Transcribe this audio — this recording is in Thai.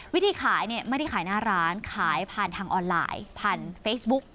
วิธีขายเนี่ยไม่ได้ขายหน้าร้านขายผ่านทางออนไลน์ผ่านเฟซบุ๊ก